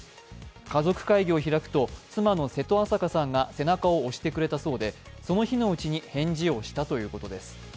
家族会議を開くと妻の瀬戸朝香さんが背中を押してくれたそうでその日のうちに返事をしたということです。